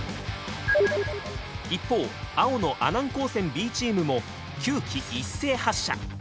一方青の阿南高専Ｂチームも９機一斉発射！